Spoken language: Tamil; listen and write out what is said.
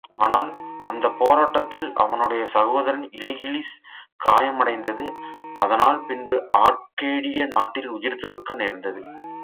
ஆனால், அந்தப் போராட்டத்தில் அவனுடைய சகோதரன் இலிகிளிஸ் காயமடைந்து, அதனால் பின்பு ஆர்கேடிய நாட்டில் உயிர் துறக்க நேர்ந்தது.